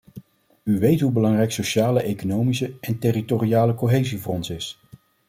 U weet hoe belangrijk sociale, economische en territoriale cohesie voor ons is.